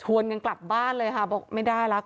ชวนกันกลับบ้านเลยค่ะไม่ได้ละ